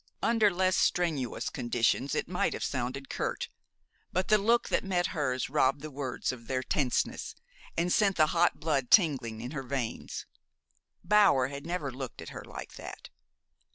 Under less strenuous conditions it might have sounded curt; but the look that met hers robbed the words of their tenseness, and sent the hot blood tingling in her veins. Bower had never looked at her like that.